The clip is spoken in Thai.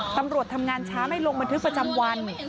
ตำรวจทำงานช้าไม่ลงบันทึกประจำวัน